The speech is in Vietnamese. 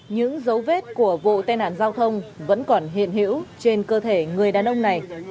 những dấu vết của vụ tai nạn giao thông vẫn còn hiện hữu trên cơ thể người đàn ông này